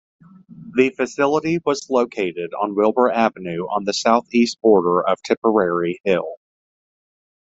The facility was located on Wilbur Avenue on the southeast border of "Tipperary Hill".